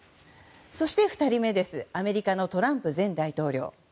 そして、２人目のアメリカのトランプ前大統領。